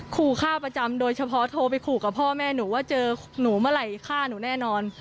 ขู่ฆ่าประจำโดยเฉพาะโทรไปขู่กับพ่อแม่หนูว่าเจอหนูเมื่อไหร่ฆ่าหนูแน่นอน